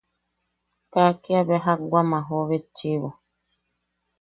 Kaa kiabe jak wam a jooʼo betchiʼibo.